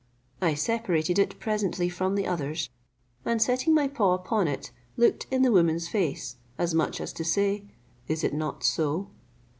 I separated it presently from the others, and setting my paw upon it, looked in the woman's face, as much as to say, "Is it not so?"